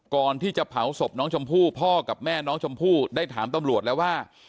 ก่อนที่จะเผาศพน้องชมพู่พ่อกับแม่น้องชมพู่ได้ถามตำรวจแล้วว่า